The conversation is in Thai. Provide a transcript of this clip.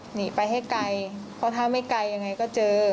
หนีไปให้ไกลเพราะถ้าไม่ไกลยังไงก็เจอ